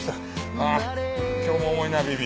ああ今日も重いなビビ。